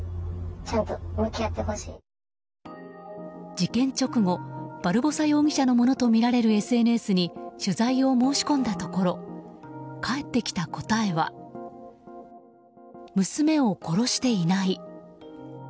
事件直後バルボサ容疑者のものと見られるＳＮＳに取材を申し込んだところ返ってきた答えは娘を殺していない。